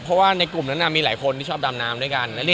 เพราะว่าในกลุ่มนั้นมีหลายคนที่ชอบดำน้ำด้วยกัน